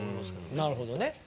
なるほどね。